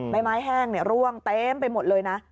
ไม้ไม้แห้งร่วงเต็มไปหมดเลยนะ